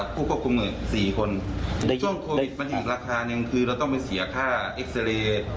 ผู้คบคุมงึดสี่คน